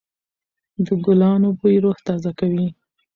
د ګلانو بوی روح تازه کوي.